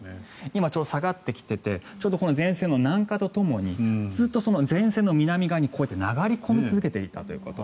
今ちょうど下がってきていてこの前線の南下とともにずっと前線の南側に流れ続けているということ。